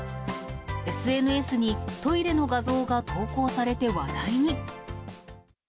ＳＮＳにトイレの画像が投稿されて話題に。